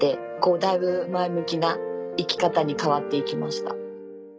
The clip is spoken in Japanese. だいぶ前向きな生き方に変わって行きました。